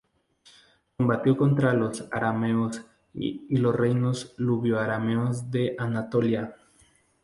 Combatió contra los arameos y los reinos luvio-arameos de Anatolia.